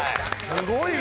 すごいな。